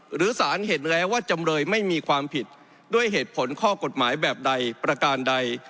หรือสารเห็นแล้วว่าจำเลยไม่มีความผิดด้วยเหตุผลข้อกฎหมายแบบใดประการใด